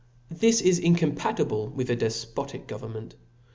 This is incompatible with a defpotic government.